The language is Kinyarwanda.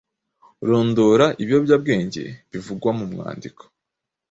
Rondora ibiyobyabwenge bivugwa mu mwandiko.